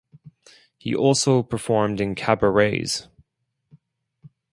He also performed in cabarets.